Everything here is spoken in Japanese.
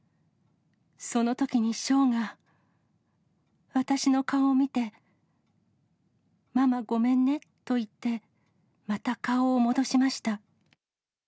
そのときに翔が、私の顔を見て、ママごめんねと言って、また顔を戻しました。